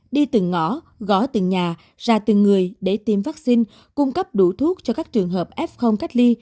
đi từng ngõ gó từng nhà ra từng người để tiêm vaccine cung cấp đủ thuốc cho các trường hợp f cách ly